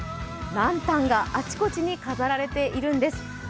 ランタンがあちこちに飾られているんです。